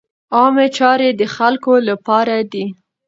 عامه چارې د خلکو له پاره دي.